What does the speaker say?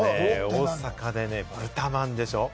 大阪で豚まんでしょ？